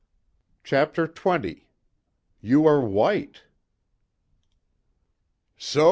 CHAPTER XX "YOU ARE WHITE!" "So!